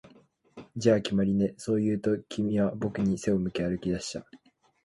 「じゃあ、決まりね」、そう言うと、君は僕に背を向け歩き出した